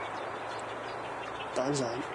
蛋散